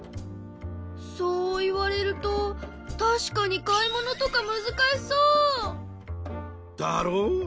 そう言われると確かに買い物とかむずかしそう！だろう？